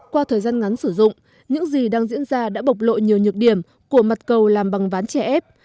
qua thời gian ngắn sử dụng những gì đang diễn ra đã bộc lộ nhiều nhược điểm của mặt cầu làm bằng ván chè ép